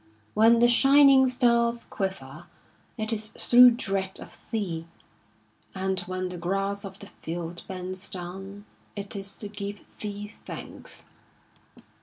When the shimng stars quiver, it is through dread of thee, and when the grass of the field bends down it is to give thee thanks.